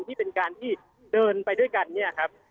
ที่เป็นการที่เดินไปด้วยกันเนี่ยครับ